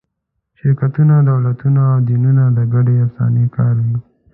شرکتونه، دولتونه او دینونه دا ګډې افسانې کاروي.